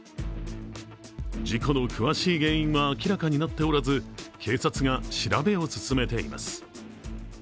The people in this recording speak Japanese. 事故の詳しい原因は明らかになっておらず警察が調べを進めています。